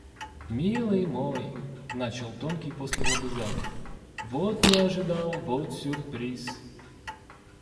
— Милый мой! — начал тонкий после лобызания.— Вот не ожидал! Вот сюрприз!